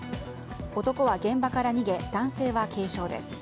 男は現場から逃げ男性は軽傷です。